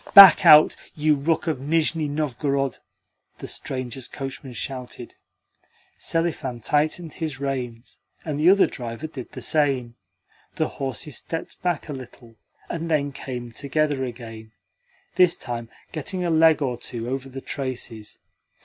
"Back out, you rook of Nizhni Novgorod!" the strangers' coachman shouted. Selifan tightened his reins, and the other driver did the same. The horses stepped back a little, and then came together again this time getting a leg or two over the traces.